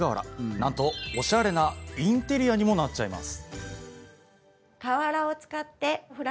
なんとおしゃれなインテリアにもなっちゃいます。